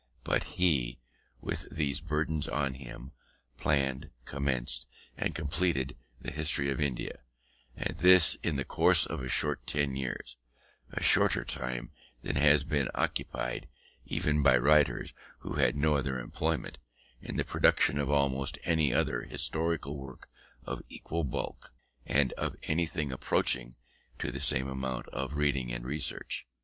But he, with these burdens on him, planned, commenced, and completed, the History of India; and this in the course of about ten years, a shorter time than has been occupied (even by writers who had no other employment) in the production of almost any other historical work of equal bulk, and of anything approaching to the same amount of reading and research.